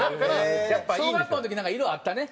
小学校の時なんか色あったね。